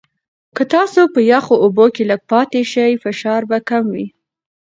که تاسو په یخو اوبو کې لږ پاتې شئ، فشار به کم وي.